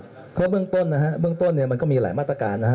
เพราะเบื้องต้นนะฮะเบื้องต้นเนี่ยมันก็มีหลายมาตรการนะฮะ